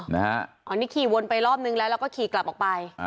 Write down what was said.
นะฮะอันนี้ขี่วนไปรอบหนึ่งแล้วก็ขี่กลับออกไปอ่า